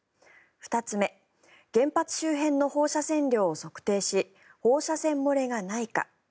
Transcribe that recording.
２つ目原発周辺の放射線量を測定し放射線漏れがないか。